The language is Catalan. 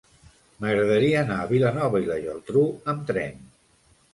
M'agradaria anar a Vilanova i la Geltrú amb tren.